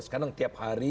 sekarang tiap hari